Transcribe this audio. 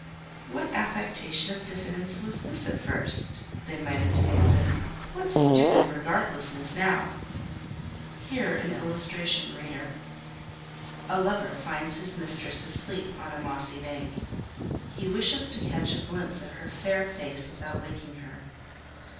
"What affectation of diffidence was this at first?" they might have demanded; "what stupid regardlessness now?" Hear an illustration, reader. A lover finds his mistress asleep on a mossy bank; he wishes to catch a glimpse of her fair face without waking her.